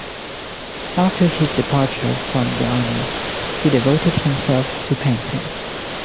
After his departure from the army, he devoted himself to painting.